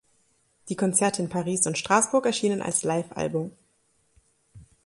Die Konzerte in Paris und Straßburg erschienen als Live-Album.